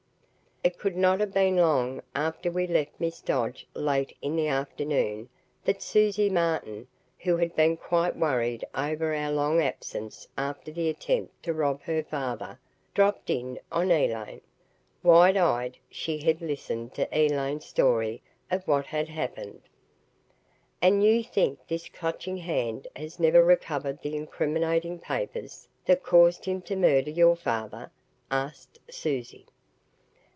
........ It could not have been long after we left Miss Dodge late in the afternoon that Susie Martin, who had been quite worried over our long absence after the attempt to rob her father, dropped in on Elaine. Wide eyed, she had listened to Elaine's story of what had happened. "And you think this Clutching Hand has never recovered the incriminating papers that caused him to murder your father?" asked Susie.